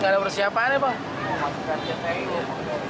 gak ada persiapan ya pak